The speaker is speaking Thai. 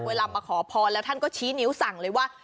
เวลามาขอพรแล้วท่านก็ชี้นิ้วสั่งเลยว่า